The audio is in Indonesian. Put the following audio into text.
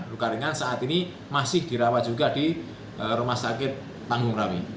luka ringan saat ini masih dirawat juga di rumah sakit panggung rawi